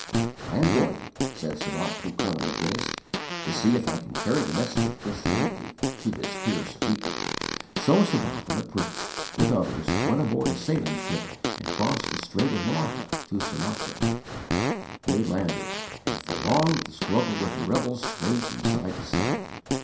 "I am going," said Sabat to Colonel MacInnes, "to see if I can carry the message of Christianity to this fierce people." So Sabat and the Prince, with others, went aboard a sailing ship and crossed the Strait of Malacca to Sumatra. They landed, and for long the struggle with the rebels swayed from side to side.